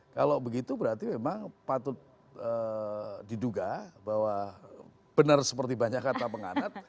kalau begitu berarti memang patut diduga bahwa benar seperti banyak kata penganut